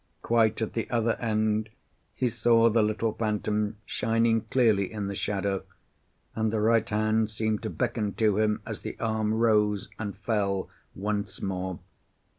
Quite at the other end he saw the little phantom shining clearly in the shadow, and the right hand seemed to beckon to him as the arm rose and fell once more.